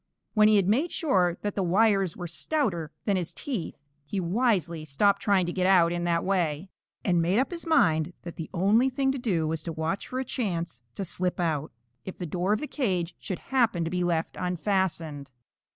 When he had made sure that the wires were stouter than his teeth, he wisely stopped trying to get out in that way, and made up his mind that the only thing to do was to watch for a chance to slip out, if the door of the cage should happen to be left unfastened.